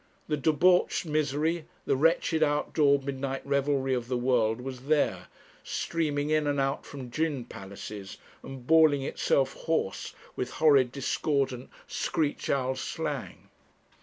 The debauched misery, the wretched outdoor midnight revelry of the world was there, streaming in and out from gin palaces, and bawling itself hoarse with horrid, discordant, screech owl slang.